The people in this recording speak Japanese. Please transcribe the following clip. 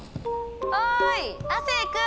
おい亜生君！